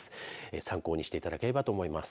参考にしていただければと思います。